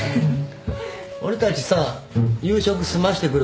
俺たちさ夕食済ましてくるから外で。